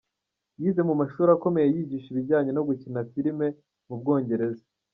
Yize mu mashuri akomeye yigisha ibijyanye no gukina filime mu Bwongereza.